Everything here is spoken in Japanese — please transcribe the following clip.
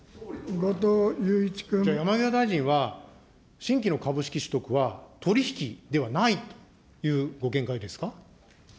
じゃあ、山際大臣は、新規の株式取得は取り引きではないというご見解ですか。